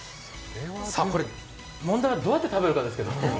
これ、問題はどうやって食べるかなんですけど。